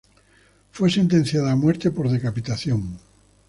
Fue sentenciada a muerte por decapitación.